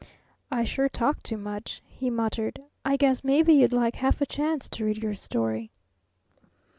"I sure talk too much," he muttered. "I guess maybe you'd like half a chance to read your story."